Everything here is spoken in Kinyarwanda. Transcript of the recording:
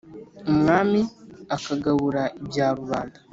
umwami akagabura ibya rubanda,